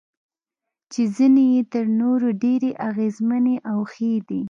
چې ځینې یې تر نورو ډېرې اغیزمنې او ښې دي.